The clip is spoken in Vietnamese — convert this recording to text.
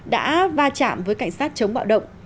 đã va chạm với cảnh sát chống bạo động